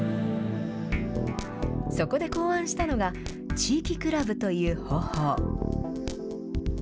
そこで考案したのが、地域クラブという方法。